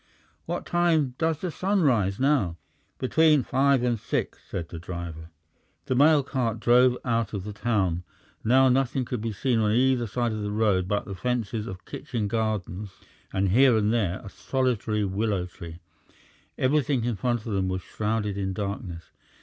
"What time does the sun rise now?" "Between five and six," said the driver. The mail cart drove out of the town. Now nothing could be seen on either side of the road but the fences of kitchen gardens and here and there a solitary willow tree; everything in front of them was shrouded in darkness.